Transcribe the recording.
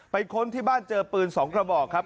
ค้นที่บ้านเจอปืน๒กระบอกครับ